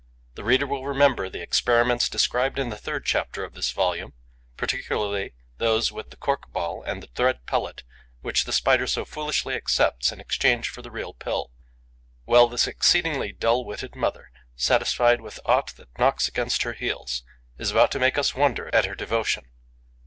The reader will remember the experiments described in the third chapter of this volume, particularly those with the cork ball and the thread pellet which the Spider so foolishly accepts in exchange for the real pill. Well, this exceedingly dull witted mother, satisfied with aught that knocks against her heels, is about to make us wonder at her devotion.